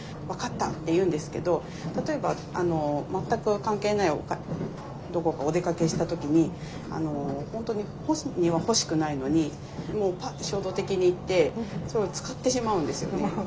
「分かった」って言うんですけど例えば全く関係ないどこかお出かけした時に本当に本人は欲しくないのにもうパッて衝動的に行って使ってしまうんですよね。